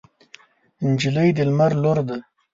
نجلۍ د لمر لور ده.